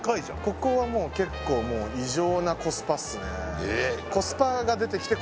ここはもう結構もう異常なコスパっすねえっ食べる？